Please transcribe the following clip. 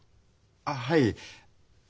あっはい。